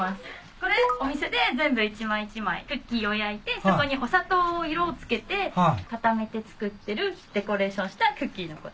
これお店で全部一枚一枚クッキーを焼いてそこにお砂糖を色を付けて固めて作ってるデコレーションしたクッキーのこと。